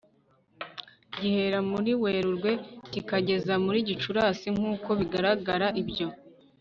gihera muri werurwe kikageza muri gicurasi. nk'uko bigaragara ibyo